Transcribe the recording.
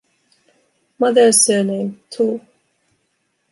mother’s surname Tu.